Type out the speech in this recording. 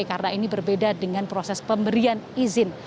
karena ini berbeda dengan proses pemberian izin